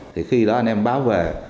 thì khi đó anh em báo về